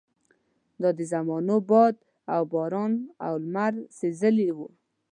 دا د زمانو باد او باران او لمر سېزلي وو.